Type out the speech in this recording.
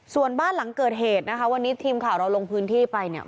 ส่วนบ้านหลังเกิดเหตุนะคะวันนี้ทีมข่าวเราลงพื้นที่ไปเนี่ย